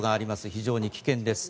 非常に危険です。